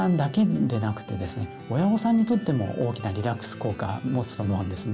親御さんにとっても大きなリラックス効果もつと思うんですね。